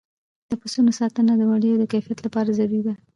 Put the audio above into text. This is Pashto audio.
د پسونو ساتنه د وړیو د کیفیت لپاره ضروري ده.